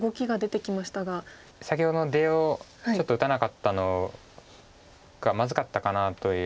先ほどの出をちょっと打たなかったのがまずかったかなという。